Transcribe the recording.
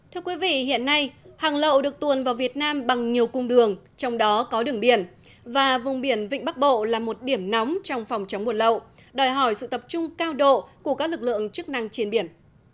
thưa quý vị hiện nay hàng lậu được tuồn vào việt nam bằng nhiều cung đường trong đó có đường biển và vùng biển vịnh bắc bộ là một điểm nóng trong phòng chống buồn lậu đòi hỏi sự tập trung cao độ của các lực lượng chức năng trên biển